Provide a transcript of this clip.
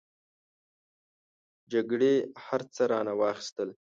جګړې هر څه رانه واخستل.